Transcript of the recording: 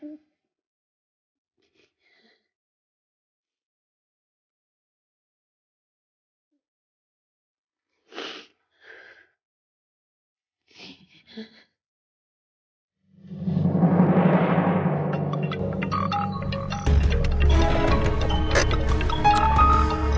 ayolah distressmu dengan ayob infection sekarang